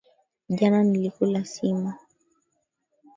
Jana nilikula sima